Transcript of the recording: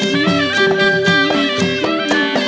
โปรดติดตามต่อไป